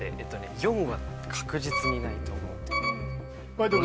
４は確実にないと思うホントに？